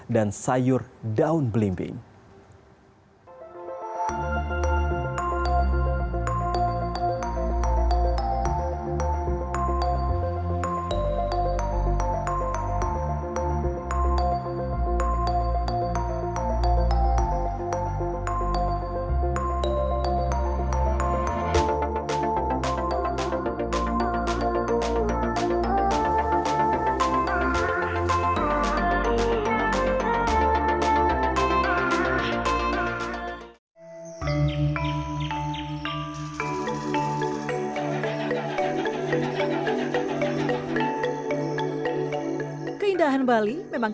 dan sayur daun belimbing